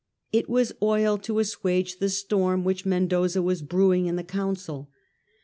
It was oil to assuage the storm which Mendoza was brewing in the Council.